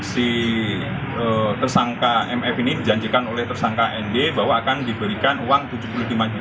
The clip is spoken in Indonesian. si tersangka mf ini dijanjikan oleh tersangka nd bahwa akan diberikan uang rp tujuh puluh lima juta